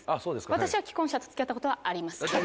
私は既婚者と付き合ったことはありますけど。